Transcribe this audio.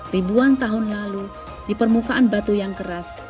ribuan tahun lalu di permukaan batu yang keras